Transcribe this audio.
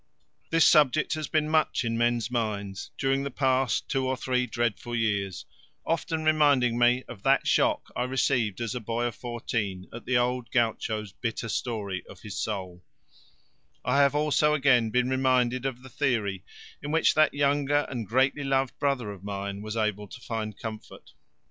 This subject has been much in men's minds during the past two or three dreadful years, often reminding me of that shock I received as a boy of fourteen at the old gaucho's bitter story of his soul; I have also again been reminded of the theory in which that younger and greatly loved brother of mine was able to find comfort.